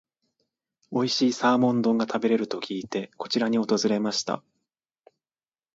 おいしいサーモン丼が食べれると聞いて、こちらに訪れました。